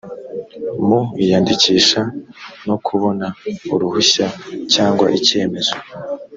mu iyandikisha no kubona uruhushya cyangwa icyemezo